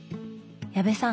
矢部さん